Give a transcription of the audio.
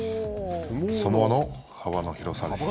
相撲の幅の広さです。